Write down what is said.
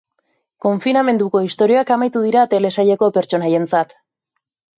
Konfinamenduko istorioak amaitu dira telesaileko pertsonaientzat.